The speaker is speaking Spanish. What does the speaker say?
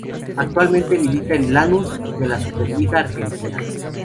Actualmente milita en Lanús de la Superliga Argentina.